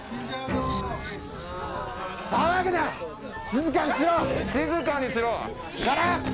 静かにしろ！